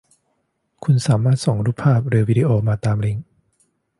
คุณสามารถส่งรูปภาพหรือวีดีโอมาตามลิงค์